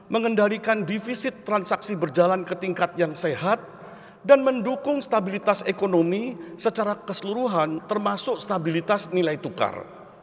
mengendalikan defisit transaksi berjalan ke tingkat yang sehat dan mendukung stabilitas ekonomi secara keseluruhan termasuk stabilitas nilai tukar